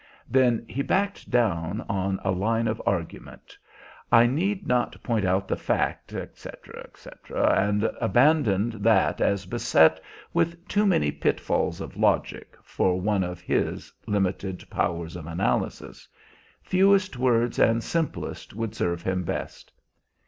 Then he backed down on a line of argument, "I need not point out the fact," etc., and abandoned that as beset with too many pitfalls of logic, for one of his limited powers of analysis. Fewest words and simplest would serve him best.